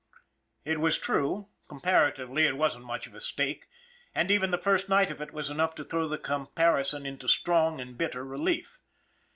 It was quite true. Comparatively, it wasn't much of a stake, and even the first night of it was enough to throw the comparison into strong and bitter relief.